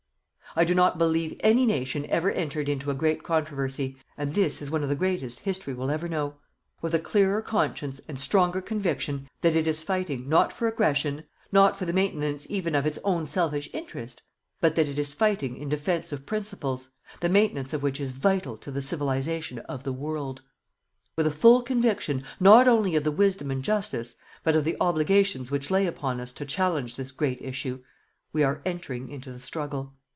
I do not believe any nation ever entered into a great controversy and this is one of the greatest history will ever know with a clearer conscience and stronger conviction that it is fighting, not for aggression, not for the maintenance even of its own selfish interest, but that it is fighting in defence of principles, the maintenance of which is vital to the civilisation of the world. With a full conviction, not only of the wisdom and justice, but of the obligations which lay upon us to challenge this great issue, we are entering into the struggle.